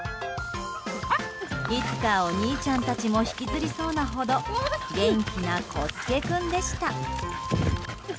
いつかお兄ちゃんたちも引きずりそうなほど元気な、こすけ君でした。